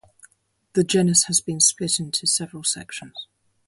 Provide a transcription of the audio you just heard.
The genus has been split into several sections.